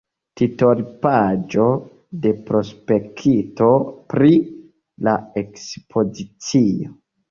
Titolpaĝo de prospekto pri la ekspozicio.